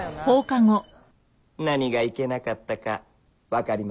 何がいけなかったか分かりますか？